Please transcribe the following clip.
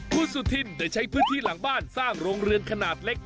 คุณสุธินได้ใช้พื้นที่หลังบ้านสร้างโรงเรือนขนาดเล็ก